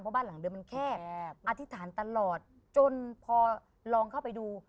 เพราะบ้านหลังเดิมมันแคบอธิษฐานตลอดจนพอลองเข้าไปดู